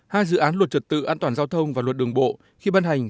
hai dự án luật trực tự an toàn giao thông và luật đường bộ khi bân hành